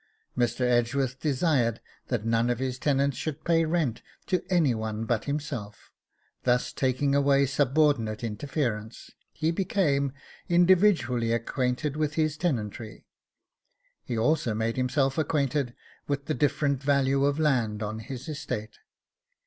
Mr. Edgeworth desired that none of his tenants should pay rent to any one but himself; thus taking away subordinate interference, he became individually acquainted with his tenantry. He also made himself acquainted with the different value of land on his estate.